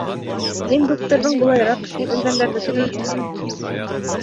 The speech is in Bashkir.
— Һин духтырҙан былайыраҡ, һин үлгәндәрҙе терелтеүсе.